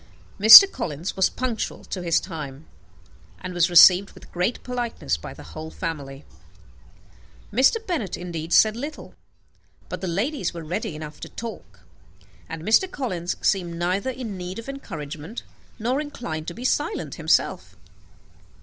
Mr. Collins was punctual to his time, and was received with great politeness by the whole family. Mr. Bennet indeed said little; but the ladies were ready enough to talk, and Mr. Collins seemed neither in need of encouragement, nor inclined to be silent himself.